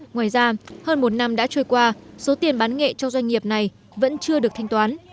ngoài ra hơn một năm đã trôi qua số tiền bán nghệ cho doanh nghiệp này vẫn chưa được thanh toán